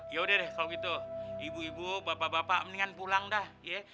yaudah deh kalau gitu ibu ibu bapak bapak mendingan pulang dah